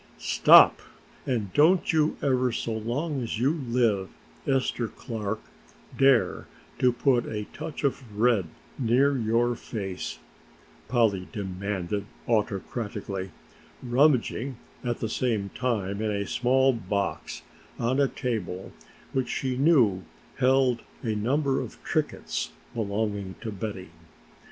"Stop, and don't you ever so long as you live, Esther Clark, dare to put a touch of red near your face," Polly demanded autocratically, rummaging at the same time in a small box on a table which she knew held a number of trinkets belonging to Betty.